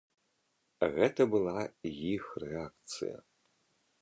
Гэта была іх рэакцыя.